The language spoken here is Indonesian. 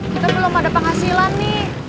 kita belum ada penghasilan nih